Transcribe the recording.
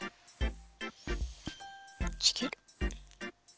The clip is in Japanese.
ちぎる。